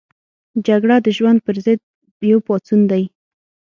جګړه د ژوند پر ضد یو پاڅون دی